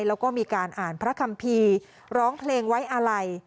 แล้วก็มีการอ่านพระคัมภีร์ร้องเพลงไว้อาลัย